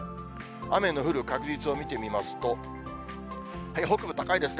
雨の降る確率を見てみますと、北部、高いですね。